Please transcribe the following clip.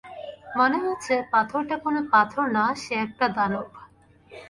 মনে হচ্ছে পাথরটা কোনো পাথর না, সে একটা দানব।